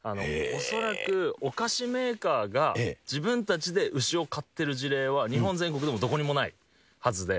恐らくお菓子メーカーが自分たちで牛を飼ってる事例は、日本全国でもどこにもないはずで。